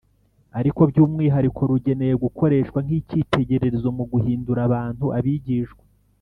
ariko by'umwihariko rugenewe gukoreshwa nk'icyitegererezo mu guhindura abantu abigishwa.